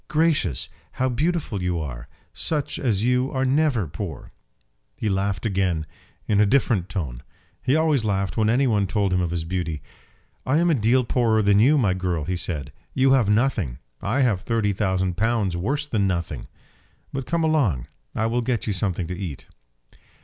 "Gracious; how beautiful you are! Such as you are never poor." He laughed again, in a different tone. He always laughed when any one told him of his beauty. "I am a deal poorer than you, my girl," he said. "You have nothing. I have thirty thousand pounds worse than nothing. But come along, and I will get you something to eat."